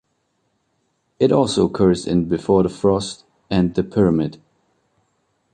It also occurs in "Before The Frost", and "The Pyramid".